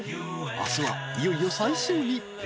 ［明日はいよいよ最終日］